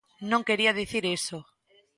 Non quería dicir iso.